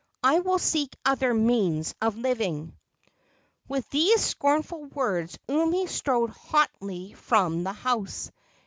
I will seek other means of living!" With these scornful words Umi strode haughtily from the house.